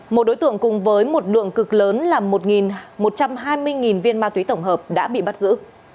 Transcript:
một đối tượng cùng với một lượng cực lớn là một một trăm hai mươi viên ma túy tổng hợp đã bị bắt giữ